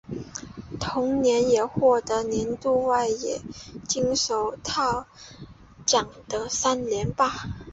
同年也获得了年度外野手金手套奖的三连霸。